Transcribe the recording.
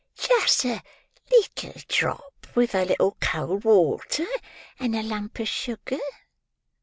"Just a leetle drop, with a little cold water, and a lump of sugar."